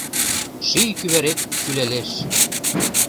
Ший кӱварет кӱлалеш.